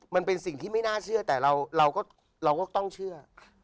มันเป็นสิ่งที่ไม่น่าเชื่อแต่เราก็ต้องเชื่อ